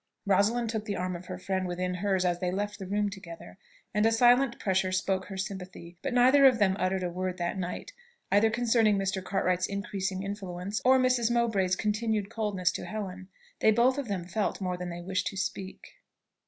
Rosalind took the arm of her friend within hers as they left the room together, and a silent pressure spoke her sympathy; but neither of them uttered a word that night, either concerning Mr. Cartwright's increasing influence, or Mrs. Mowbray's continued coldness to Helen. They both of them felt more than they wished to speak.